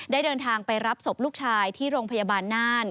เดินทางไปรับศพลูกชายที่โรงพยาบาลน่าน